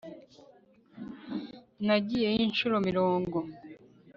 nagiyeyo inshuro mirongo